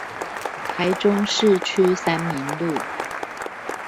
台中市區三民路